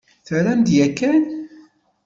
Terram-d yakan?